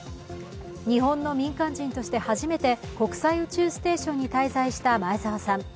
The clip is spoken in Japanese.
日本の民間人として初めて国際宇宙ステーションに滞在した前澤さん。